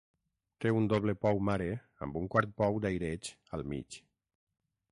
Té un doble pou mare amb un quart pou d'aireig al mig.